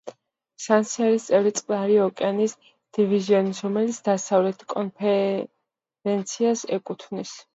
სანსი არის წევრი წყნარი ოკეანის დივიზიონის, რომელიც დასავლეთ კონფერენციას ეკუთვნის.